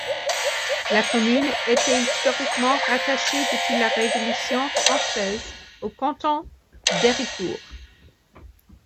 La commune était historiquement rattachée depuis la Révolution française au canton d'Héricourt.